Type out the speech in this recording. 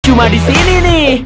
cuma di sini nih